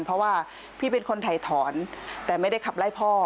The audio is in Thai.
เพราะว่าพี่เป็นคนถ่ายถอนแต่ไม่ได้ขับไล่พ่อ